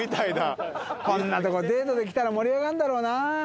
こんなとこデートで来たら盛り上がんだろうなぁ。